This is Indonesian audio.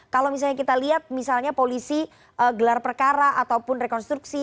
kalau misalnya kita lihat misalnya polisi gelar perkara ataupun rekonstruksi